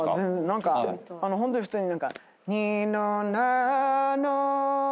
何かホントに普通に。